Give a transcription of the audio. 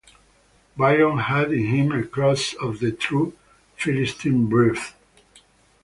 Byron had in him a cross of the true Philistine breed.